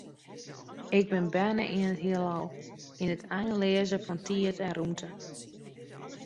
Ik bin berne yn it Hielal, yn it einleaze fan tiid en rûmte.